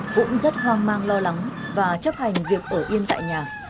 cũng rất hoang mang lo lắng và chấp hành việc ở yên tại nhà